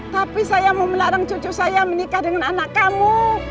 tapi saya mau melarang cucu saya menikah dengan anak kamu